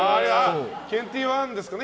ケンティーファンですかね。